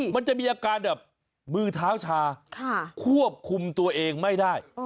มันจะมีอาการแบบมือเท้าชาควบคุมตัวเองไม่ได้